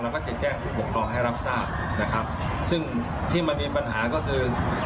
เราก็จะแกล้งผู้ปกครองให้รับทราบซึ่งที่มันมีปัญหาก็คือ